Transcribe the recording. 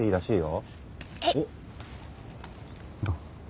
どう？